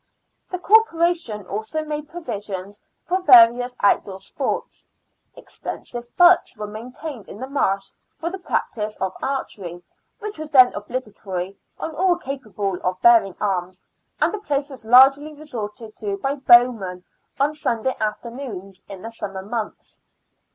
The Corporation also made provision for various out door sports. Extensive butts were maintained in the Marsh for the practice of archery, which was then obhga tory on all capable of bearing arms, and the place was largely resorted to by bowmen on Sunday afternoons in the summer months.